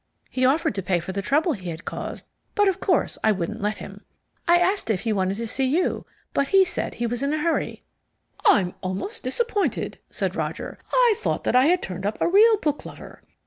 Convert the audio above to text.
He offered to pay for the trouble he had caused, but of course I wouldn't let him. I asked if he wanted to see you, but he said he was in a hurry." "I'm almost disappointed," said Roger. "I thought that I had turned up a real booklover.